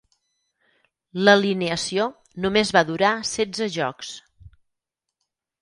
L"alineació només va durar setze jocs.